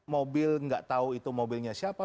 mobil nggak tahu itu mobilnya siapa